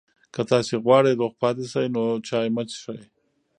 که تاسي غواړئ روغ پاتې شئ، نو چای مه څښئ.